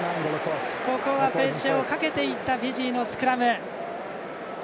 ここはプレッシャーをかけていったフィジーのスクラム。